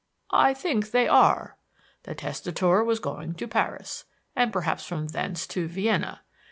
"I think they are. The testator was going to Paris, and perhaps from thence to Vienna.